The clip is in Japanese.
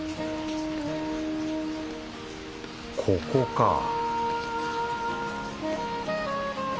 ここか